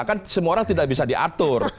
kan semua orang tidak bisa diatur